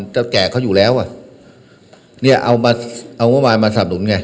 แก่เขาอยู่แล้วอ่ะเนี่ยเอามาเอางบมารมาสับหนุนไง